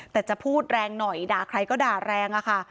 แต่จะพูดแรงหน่อยด่าใครก็ด่าแรงอะค่ะ